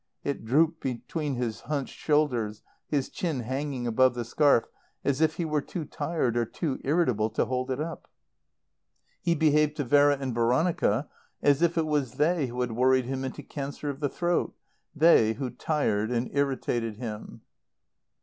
It drooped between his hunched shoulders, his chin hanging above the scarf as if he were too tired or too irritable to hold it up. He behaved to Vera and Veronica as if it was they who had worried him into cancer of the throat, they who tired and irritated him.